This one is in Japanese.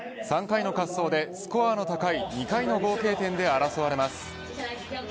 ３回の滑走でスコアの高い２回の合計点で争われます。